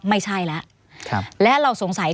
ไม่ใช่แล้วและเราสงสัย